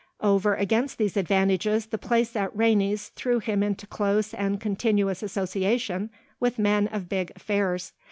Over against these advantages the place at Rainey's threw him into close and continuous association with men of big affairs.